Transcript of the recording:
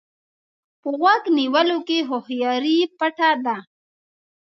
په غوږ نیولو کې هوښياري پټه ده.